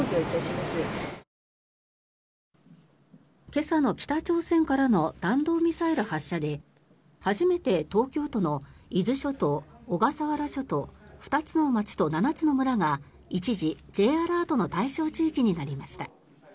今朝の北朝鮮からの弾道ミサイル発射で初めて東京都の伊豆諸島、小笠原諸島２つの町と７つの村が一時、Ｊアラートの対象地域となりました。